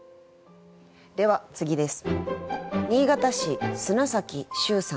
では次です。